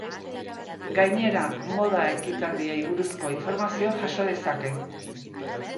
Gainera, moda ekitaldiei buruzko informazioa jaso dezake.